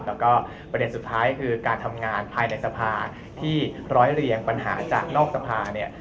แล้วก็ประเด็นสุดท้ายคือการทำงานภายในสภาที่ร้อยเรียงปัญหาจากนอกสภาเนี่ย